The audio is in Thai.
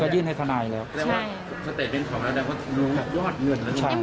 บัญชีไหนครับ